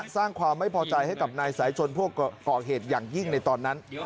สร้างความไม่พอใจให้กับนายสายชนพวกก่อเหตุอย่างยิ่งในตอนนั้น